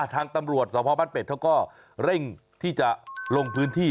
ทางตำรวจสพบ้านเป็ดเขาก็เร่งที่จะลงพื้นที่